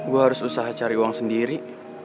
gue harus usaha cari uang sendiri